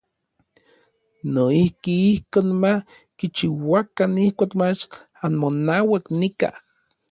Noijki ijkon ma kichiuakan ijkuak mach anmonauak nikaj.